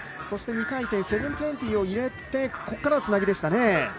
そして２回転、７２０を入れてそこからのつなぎでしたね。